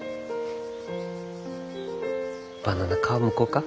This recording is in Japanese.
バナナ皮むこうか？